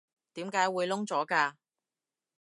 點解會燶咗㗎？